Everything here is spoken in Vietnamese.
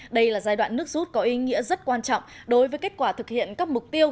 đây là giai đoạn nước rút có ý nghĩa rất quan trọng đối với kết quả thực hiện các mục tiêu